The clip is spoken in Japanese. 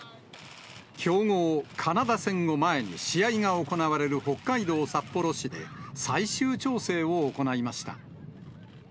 強豪、カナダ戦を前に試合が行われる北海道札幌市で、最終調整を行いました。